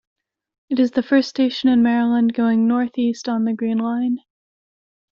It is the first station in Maryland going northeast on the Green Line.